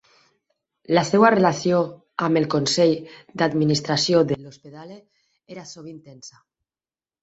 La seua relació amb el consell d'administració de l'Ospedale era sovint tensa.